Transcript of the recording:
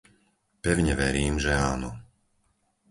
Pevne verím, že áno.